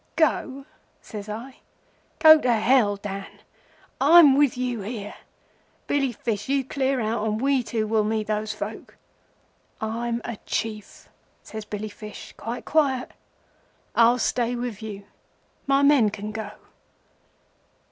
"'Go!' says I. 'Go to Hell, Dan. I'm with you here. Billy Fish, you clear out, and we two will meet those folk.' "'I'm a Chief,' says Billy Fish, quite quiet. 'I stay with you. My men can go.